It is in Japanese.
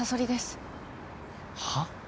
はっ？